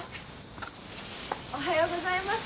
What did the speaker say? おはようございます。